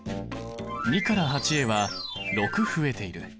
２から８へは６増えている。